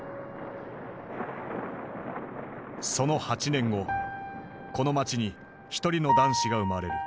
その８年後この街に一人の男子が生まれる。